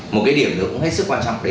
một cái điểm nữa cũng hết sức quan trọng